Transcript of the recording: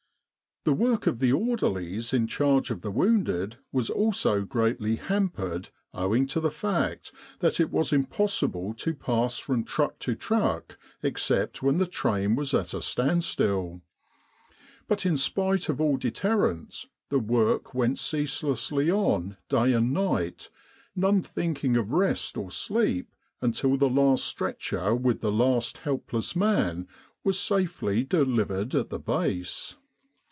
The work of the orderlies in charge of the wounded was also greatly hampered owing to the fact that it was 123 With the R.A.M.C. in Egypt impossible to pass from truck to truck except when the train was at a standstill. But in spite of all deterrents, the work went ceaselessly on day and night, none thinking of rest or sleep until the last stretcher with the last helpless man was safely delivered at the Base.